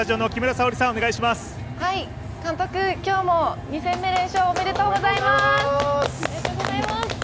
監督、今日も２戦目、連勝おめでとうございます。